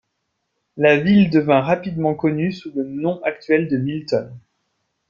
La ville devint rapidement connue sous le nom actuel de Milton.